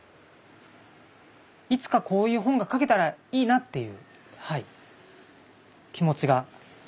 いつかこういう本が描けたらいいなっていうはい気持ちがあります。